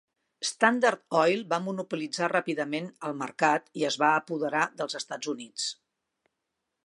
Standard Oil va monopolitzar ràpidament el mercat i es va apoderar dels Estats Units.